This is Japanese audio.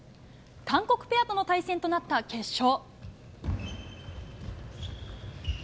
韓国ペアとの対戦となった決勝。